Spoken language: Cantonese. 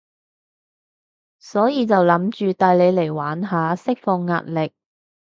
所以就諗住帶你嚟玩下，釋放壓力